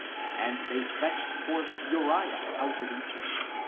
and they fetched forth Uriah out of Egypt